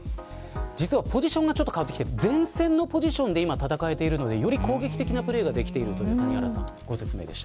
実はポジションがちょっと変わってきて前線のポジションで戦いてるのでより攻撃的なプレーができているということです。